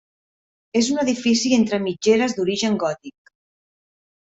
És un edifici entre mitgeres d'origen gòtic.